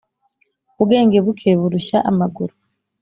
Ubwenge buke burushya amaguru